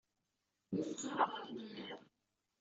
Wufqeɣ akk ayen i d-tenniḍ.